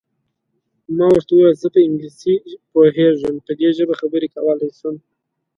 ما ورته وویل: زه په انګلیسي پوهېږم، په دې ژبه خبرې کولای شم.